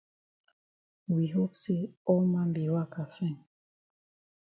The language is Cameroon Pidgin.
We hope say all man be waka fine.